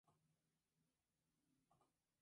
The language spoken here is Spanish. Rowling y de sus versiones cinematográficas.